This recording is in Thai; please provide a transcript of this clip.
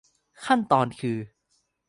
ขั้นตอนคือ